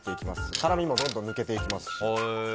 辛みもどんどん抜けていきますし。